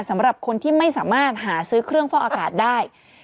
สำหรับคนที่ไม่สามารถหาซื้อเครื่องฟอกอากาศได้